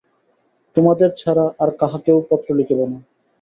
তোমাদের ছাড়া আর কাহাকেও পত্র লিখিব না।